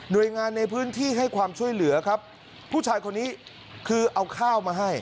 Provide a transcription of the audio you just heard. โดยงานในพื้นที่ให้ความช่วยเหลือครับผู้ชายคนนี้คือเอาข้าวมาให้